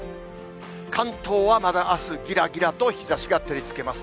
関東はまだ、あす、ぎらぎらと日ざしが照りつけます。